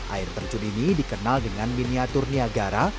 air terjun ini dikenal dengan miniatur niagara